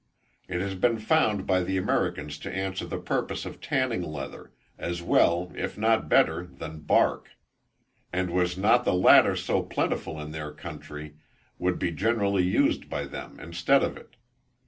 It has been found by the Americans to answer the purpose of tanning leather, as well, if not better, than bark; and was not the latter so plentiful in their country would be generally used by them instead of it.